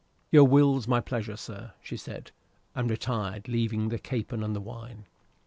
"Your will's my pleasure, sir," said she, and retired, leaving the capon and the wine.